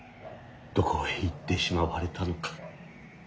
どこへ行ってしまわれたのか。